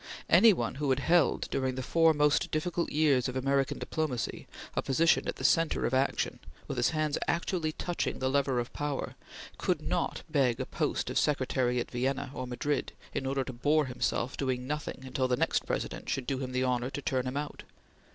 Any one who had held, during the four most difficult years of American diplomacy, a position at the centre of action, with his hands actually touching the lever of power, could not beg a post of Secretary at Vienna or Madrid in order to bore himself doing nothing until the next President should do him the honor to turn him out.